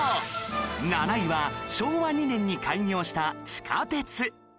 ７位は昭和２年に開業した地下鉄